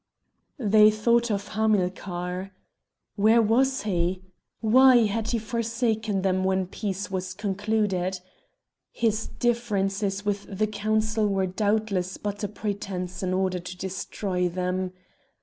They thought of Hamilcar. Where was he? Why had he forsaken them when peace was concluded? His differences with the Council were doubtless but a pretence in order to destroy them.